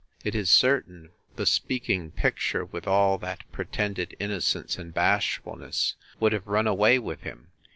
It is certain the speaking picture, with all that pretended innocence and bashfulness, would have run away with him.